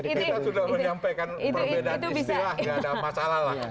kita sudah menyampaikan perbedaan istilah tidak ada masalah lah